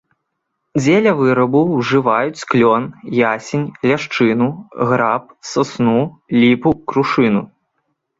Дзеля вырабу ўжываюць клён, ясень, ляшчыну, граб, сасну, ліпу, крушыну.